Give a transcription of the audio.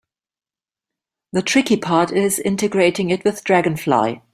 The tricky part is integrating it with Dragonfly.